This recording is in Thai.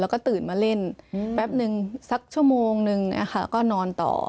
แล้วก็ตื่นมาเล่นแป๊บนึงสักชั่วโมงนึงก็นอนต่อ